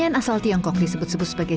lamian asal tiongkok disebut sebagai